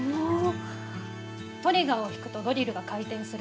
トリガーを引くとドリルが回転する。